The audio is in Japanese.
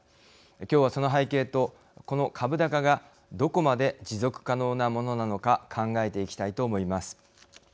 今日はその背景と、この株高がどこまで持続可能なものなのか考えていきたいと思います。